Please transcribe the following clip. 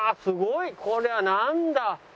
すごい！こりゃなんだ？